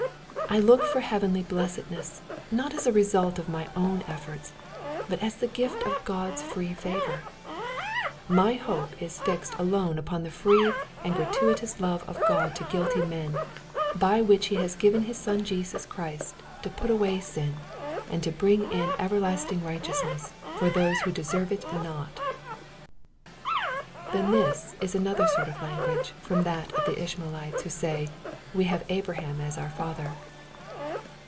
I look for heavenly blessedness, not as the result of my own efforts^ but as the gift of Goas free favor. My hope is fixed alone upon the free and gratuitous love of God to guilty men, by the which he has given his Son Jesus Christ to put away sin, and to bring in everlasting righteousness for those who deserve it not,'' — then this is another sort of language from that of the Ishmaelites, who say " We have Abraham to our father."